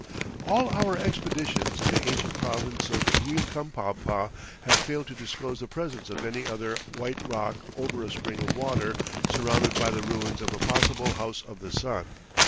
All our expeditions in the ancient province of Uilcapampa have failed to disclose the presence of any other "white rock over a spring of water" surrounded by the ruins of a possible "House of the Sun."